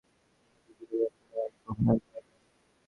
আমার বড়ো জামাই দুই মাস অন্তর আমার বিধুকে একখানা করিয়া গহনা গড়াইয়া দেয়।